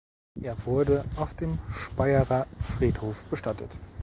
Er wurde auf dem Speyerer Friedhof bestattet.